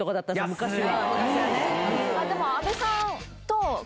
昔は。